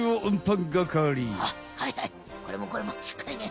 あっはいはいこれもこれもしっかりね。